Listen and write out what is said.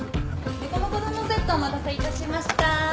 ロコモコ丼のセットお待たせいたしました。